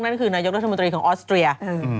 นั่นคือนายกรัฐมนตรีของออสเตรีย